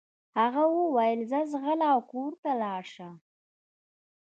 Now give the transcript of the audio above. هغه وويل ځه ځغله او کور ته ولاړه شه.